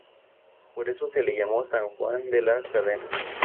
Por eso se le llamó San Juan de la Cadena.